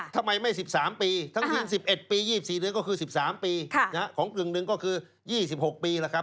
ทำไมไม่๑๓ปีทั้งสิ้น๑๑ปี๒๔เดือนก็คือ๑๓ปีของกึ่งหนึ่งก็คือ๒๖ปีแล้วครับ